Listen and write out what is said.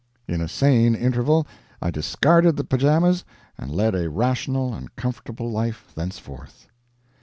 In a sane interval I discarded the pyjamas, and led a rational and comfortable life thenceforth.